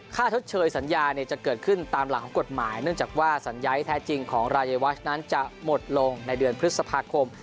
ชดเชยสัญญาจะเกิดขึ้นตามหลักของกฎหมายเนื่องจากว่าสัญญาแท้จริงของรายวัชนั้นจะหมดลงในเดือนพฤษภาคม